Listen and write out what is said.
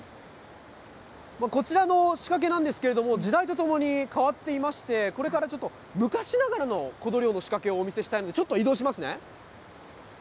こちらの仕掛けなんですけども、時代とともに変わっていまして、これからちょっと、昔ながらのコド漁の仕掛けをお見せしたいので、ちょっと移動しますね。